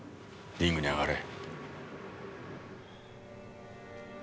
リングに上がれ。